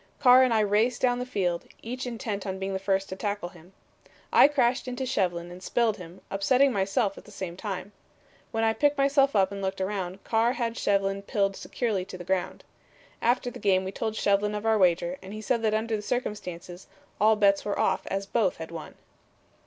Carr and I raced down the field, each intent on being the first to tackle him. I crashed into Shevlin and spilled him, upsetting myself at the same time. When I picked myself up and looked around, Carr had Shevlin pinned securely to the ground. After the game we told Shevlin of our wager and he said that under the circumstances all bets were off as both had won."